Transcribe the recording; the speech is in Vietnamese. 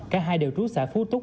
cả hai đều trú xã phú túc